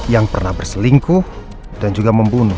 yang pernah berselingkuh dan juga membunuh